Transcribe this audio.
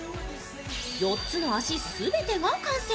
４つの脚すべてが完成。